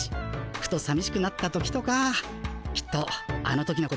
ふとさみしくなった時とかきっとあの時のこと思い出すだろうなって。